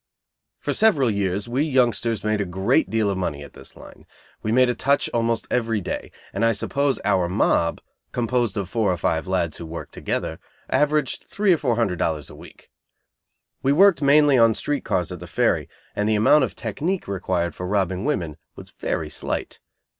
For several years we youngsters made a great deal of money at this line. We made a "touch" almost every day, and I suppose our "mob," composed of four or five lads who worked together, averaged three or four hundred dollars a week. We worked mainly on street cars at the Ferry, and the amount of "technique" required for robbing women was very slight.